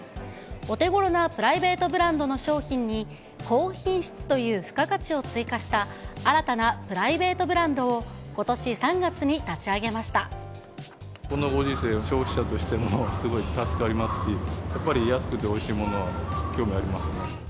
お手ごろなプライベートブランドの商品に高品質という付加価値を追加した新たなプライベートブランドを、ことし３月に立ち上げまこのご時世、消費者としてもすごい助かりますし、やっぱり安くておいしいものは興味あります